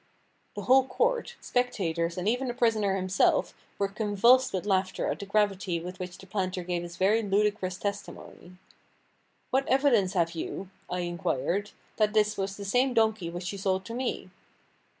The whole court spectators, and even the "prisoner" himself were convulsed with laughter at the gravity with which the planter gave his very ludicrous testimony. "What evidence have you," I inquired, "that this was the same donkey which you sold to me?"